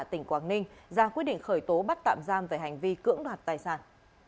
tỉnh quảng ninh ra quyết định khởi tố bắt tạm giam về hành vi cưỡng đoạt tài sản